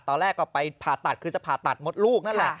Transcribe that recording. ตอนแรกก็ไปผ่าตัดคือจะผ่าตัดมดลูกนั่นแหละ